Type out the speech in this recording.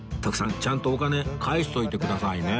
ちゃんとお金返しておいてくださいね